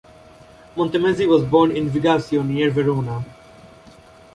Montemezzi was born in Vigasio, near Verona.